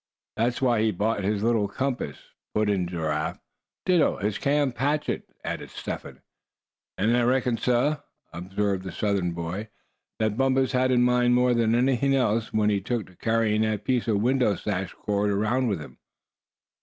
"That was why he bought his little compass," put in Giraffe. "Ditto his camp hatchet," added Step Hen. "And I reckon, suh," observed the Southern boy, "that Bumpus had it in mind more than anything else when he took to carrying that piece of window sash cord around with him."